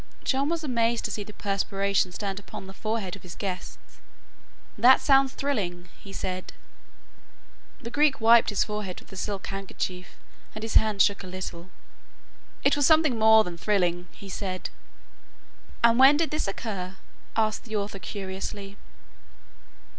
John was amazed to see the perspiration stand upon the forehead of his guest. "That sounds thrilling," he said. The Greek wiped his forehead with a silk handkerchief and his hand shook a little. "It was something more than thrilling," he said. "And when did this occur?" asked the author curiously.